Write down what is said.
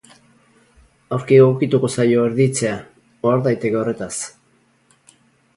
Aurki egokituko zaio erditzea, ohar daiteke horretaz.